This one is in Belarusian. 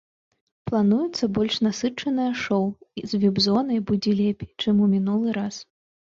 Плануецца больш насычанае шоу і з віп-зонай будзе лепей, чым у мінулы раз.